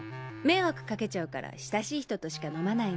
迷惑掛けちゃうから親しい人としか飲まないの。